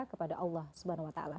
kepada allah swt